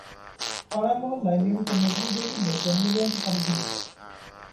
পাড়ায়-মহল্লায় নিয়মিত নজরুল-রবীন্দ্র জন্ম-জয়ন্তী পালিত হত।